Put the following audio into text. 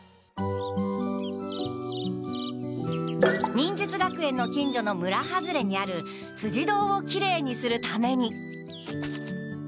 忍術学園の近所の村外れにあるつじどうをきれいにするために。